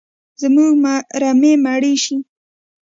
زموږ رمې مړي شي